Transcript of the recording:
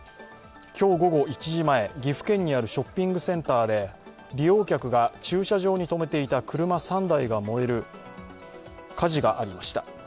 今日午後１時前、岐阜県にあるショッピングセンターで利用客が駐車場に止めていた車３台が燃える火事がありました。